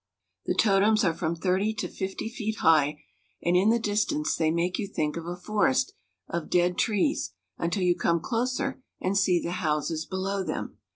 The totems are from thirty to fifty feet high, and in the distance they make you think of a forest of dead trees until you come closer and see the houses below them.